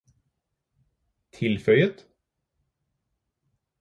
tilføyet